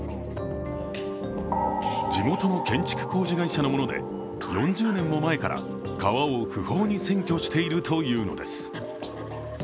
地元の建築工事会社のもので、４０年も前から川を不法に占拠しているというのです。